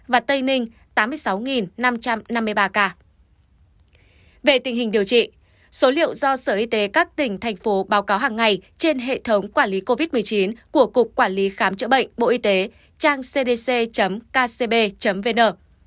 về tình hình điều trị số liệu do sở y tế các tỉnh thành phố báo cáo hàng ngày trên hệ thống quản lý covid một mươi chín của cục quản lý khám chữa bệnh bộ y tế trang cdc kcb vn